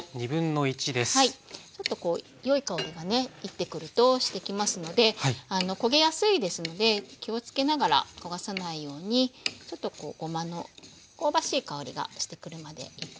ちょっとこうよい香りがね煎ってくるとしてきますので焦げやすいですので気をつけながら焦がさないようにちょっとこうごまの香ばしい香りがしてくるまで煎って下さい。